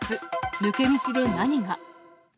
抜け道で何が。